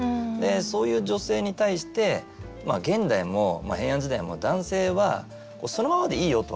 そういう女性に対して現代も平安時代も男性は「そのままでいいよ」とは言わないんですよね。